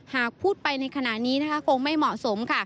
หากพูดไปในขณะนี้คงไม่เหมาะสม